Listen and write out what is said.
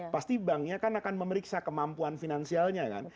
pasti banknya kan akan memeriksa kemampuan finansialnya kan